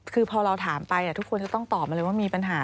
คือพอเราถามไปทุกคนจะต้องตอบมาเลยว่ามีปัญหา